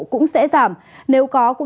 cũng sẽ giảm